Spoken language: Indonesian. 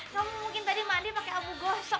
kamu mungkin tadi mandi pakai abu gosok